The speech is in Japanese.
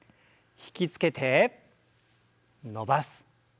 引き付けて伸ばす。